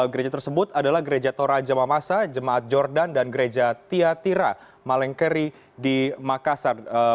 gereja tersebut adalah gereja toraja mamasa jemaat jordan dan gereja tiatira malengkeri di makassar